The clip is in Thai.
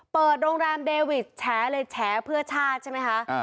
เปิดโรงแรมเดวิสแฉเลยแฉเพื่อชาติใช่ไหมคะ